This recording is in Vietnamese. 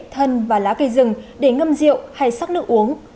thân và lá cây rừng để ngâm rượu hay sắc nước uống